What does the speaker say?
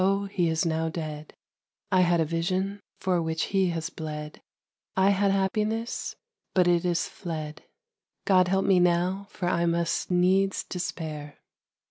he is now dead; I had a vision: for which he has bled: I had happiness: but it is fled. _God help me now, for I must needs despair.